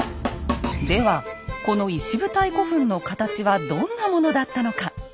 ではこの石舞台古墳の形はどんなものだったのか。